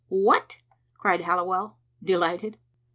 "What!" cried Halliwell, delighted.